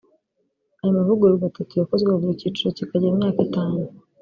Ayo mavugururwa atatu yakozwe buri cyiciro kikagira imyaka itanu